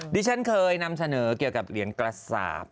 ที่ฉันเคยนำเสนอเกี่ยวกับเหรียญกระสาป